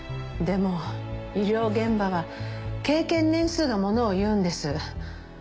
でも医療現場は経験年数が物を言うんです。